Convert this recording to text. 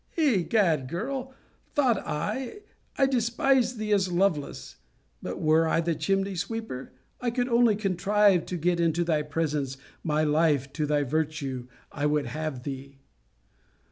Egad, girl, thought I, I despise thee as Lovelace: but were I the chimney sweeper, and could only contrive to get into thy presence, my life to thy virtue, I would have thee.